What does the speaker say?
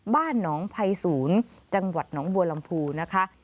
บ้านน้องภัยศูนย์จังหวัดน้องวัวลำภูค่ะ